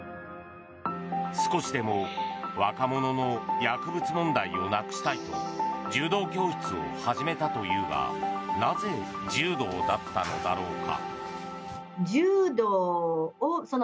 少しでも若者の薬物問題をなくしたいと柔道教室を始めたというがなぜ柔道だったのだろうか。